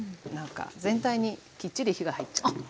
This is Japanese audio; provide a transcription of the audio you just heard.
なんか全体にきっちり火が入っちゃう。